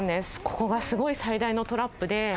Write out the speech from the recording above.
ここがすごい、最大のトラップで。